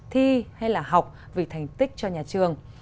thi hay là học vì thành tích cho nhà trường